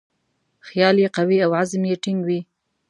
خیال یې قوي او عزم یې ټینګ وي.